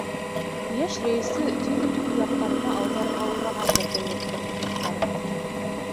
Йәш рәйесте тиҙ үк үҙ яҡтарына ауҙарырға уйлағандыр дәүләт ҡоротҡостары.